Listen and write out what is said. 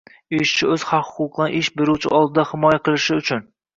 — ishchi o‘z haq-huquqlarini ish beruvchi oldida himoya qilish uchun